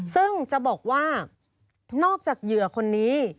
ซึ่งจะบอกว่านอกจากเหยื่อคนนี้